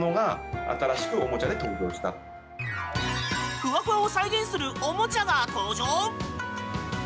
ふわふわを再現するおもちゃが登場？